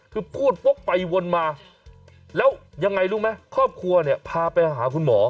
คือพูดวกไปวนมาแล้วยังไงรู้ไหมครอบครัวเนี่ยพาไปหาคุณหมอ